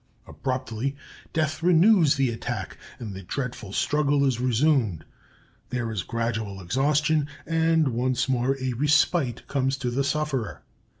Abruptly, Death renews the attack, and the dreadful struggle is resumed. There is gradual exhaustion, and once more a respite comes to the sufferer.